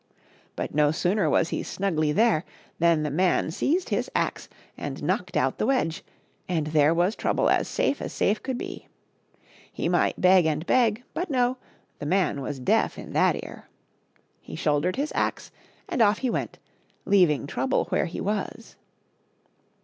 But, no sooner was he snugly there than the man seized his axe and knocked out the wedge, and there was Trouble as safe as safe could be. He might beg and beg, but no, the man was deaf in that ear. He shouldered his axe and off he went, leaving Trouble where he was.